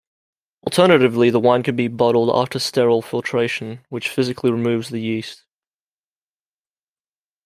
Alternatively the wine can be bottled after sterile filtration, which physically removes the yeast.